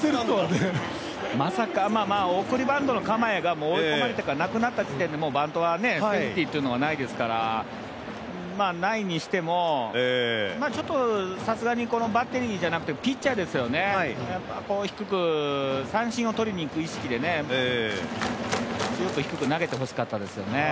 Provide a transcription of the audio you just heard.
まさか送りバントの構えが追い込まれてから、もうバントは、セーフティというのはないですからないにしても、さすがにバッテリーじゃなくてピッチャーですよね、低く三振を取りに行く意識ですーっと低く投げてほしかったですよね。